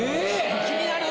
気になる。